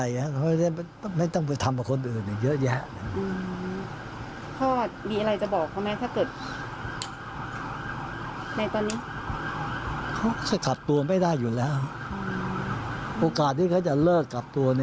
อยากให้เขาได้รับโทษ